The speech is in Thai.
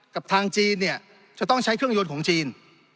กับทางจีนเนี่ยจะต้องใช้เครื่องยนต์ของจีน